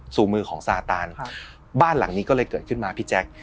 สู่มือของซาตานบ้านหลังนี้ก็เลยเกิดขึ้นมาพี่แจ๊ค